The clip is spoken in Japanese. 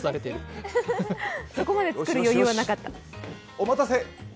お待たせ。